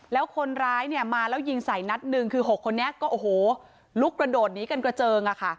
แล้วคนร้ายเนี่ยมาแล้วยิงใส่นัดหนึ่งคือ๖คนนี้ก็โอ้โหลุกกระโดดหนีกันกระเจิงอะค่ะ